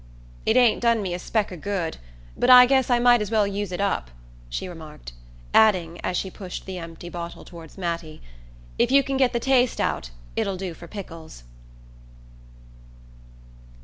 "It ain't done me a speck of good, but I guess I might as well use it up," she remarked; adding, as she pushed the empty bottle toward Mattie: "If you can get the taste out it'll do for pickles."